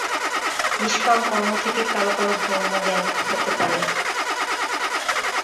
নিষ্কাম কর্ম থেকে কারও কারও ব্রহ্মজ্ঞান হতে পারে।